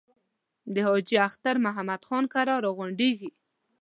د حاجي اختر محمد خان کره را غونډېږي.